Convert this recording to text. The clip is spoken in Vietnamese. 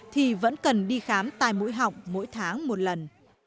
thì vẫn cần đi khám tai mũi họng mỗi tháng một lần